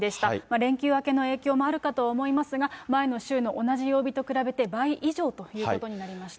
連休明けの影響もあるかとは思いますが、前の週の同じ曜日と比べて、倍以上ということになりました。